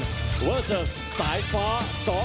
สวัสดีทุกคน